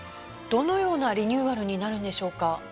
どのようなリニューアルになるんでしょうか？